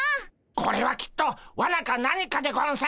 これはきっとわなか何かでゴンス。